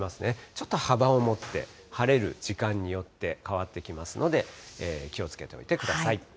ちょっと幅をもって、晴れる時間によって変わってきますので、気をつけておいてください。